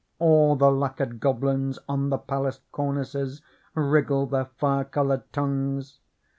All the lacquered goblins on the palace cornices wriggle their fire colored tongues